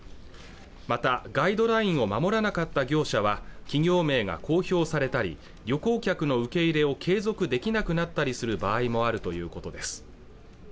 またガイドラインを守らなかった業者は企業名が公表されたり旅行客の受け入れを継続できなくなったりする場合もあるということです